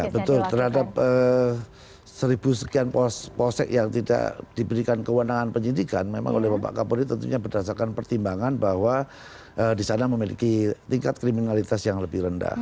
betul terhadap seribu sekian polsek yang tidak diberikan kewenangan penyidikan memang oleh bapak kapolri tentunya berdasarkan pertimbangan bahwa di sana memiliki tingkat kriminalitas yang lebih rendah